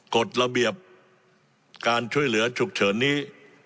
กฎระเบียบการช่วยเหลือฉุกเฉินนี้